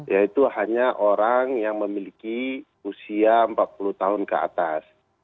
yaitu hanya orang yang memiliki usia empat puluh tahun ke atas